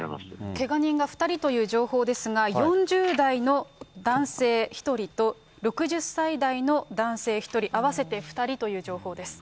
けが人が２人という情報ですが、４０代の男性１人と、６０歳代の男性１人、合わせて２人という情報です。